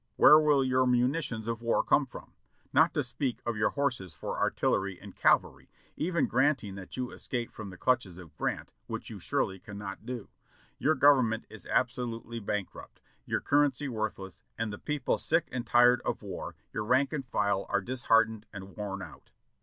Where will your muni tions of war come from ? Not to speak of your horses for artil lery and cavalry, even granting that you escape from the clutches of Grant, which you surely cannot do. Your Government is absolutely bankrupt, your currency worthless, the people sick and tired of war, your rank and file are disheartened and worn out.